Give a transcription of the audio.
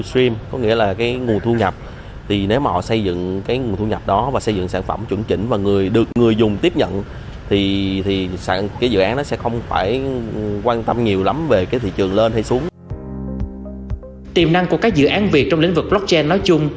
trong lĩnh vực blockchain nói chung